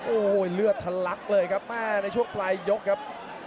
โอ้โหเลือดทะลักเลยครับแม่ในช่วงปลายยกครับ